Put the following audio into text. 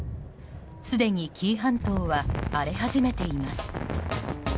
すでに、紀伊半島は荒れ始めています。